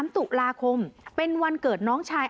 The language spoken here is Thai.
๓ตุลาคมเป็นวันเกิดน้องชาย